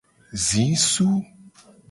Zisu.